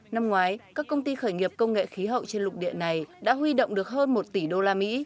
năm ngoái các công ty khởi nghiệp công nghệ khí hậu trên lục địa này đã huy động được hơn một tỷ đô la mỹ